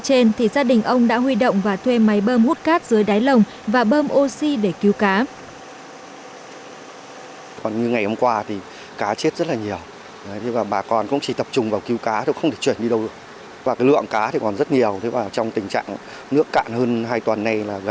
trên thì gia đình ông đã huy động và thuê máy bơm hút cát dưới đáy lồng và bơm oxy để cứu cá